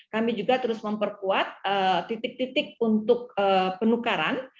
kami juga terus memperkuat titik titik untuk penukaran